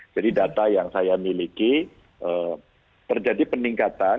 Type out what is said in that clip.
jadi data yang saya miliki terjadi peningkatan